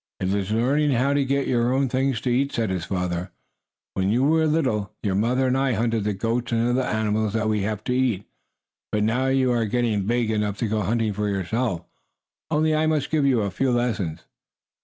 "It is learning how to get your own things to eat," said his father. "When you were little, your mother and I hunted the goats and other animals that we have to eat. But now you are getting big enough to go hunting for yourself. Only I must give you a few lessons."